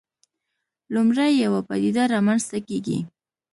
لومړی یوه پدیده رامنځته کېږي.